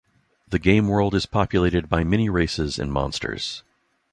The game world is populated by many races and monsters.